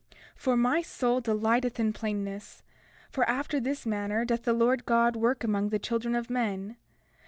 31:3 For my soul delighteth in plainness; for after this manner doth the Lord God work among the children of men.